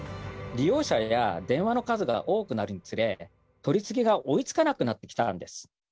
利用者や電話の数が多くなるにつれ取り次ぎが追いつかなくなってきたんです。